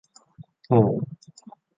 โธ่